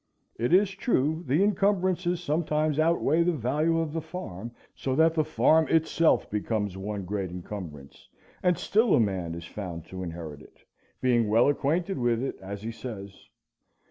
It is true, the encumbrances sometimes outweigh the value of the farm, so that the farm itself becomes one great encumbrance, and still a man is found to inherit it, being well acquainted with it, as he says.